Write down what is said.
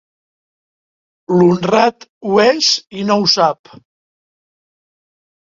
L'honrat ho és i no ho sap.